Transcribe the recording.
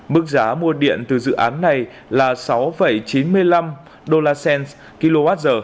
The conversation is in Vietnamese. mức giá mua điện từ dự án này là sáu chín mươi năm usd kwh